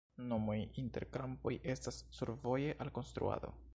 Nomoj inter krampoj estas survoje al konstruado.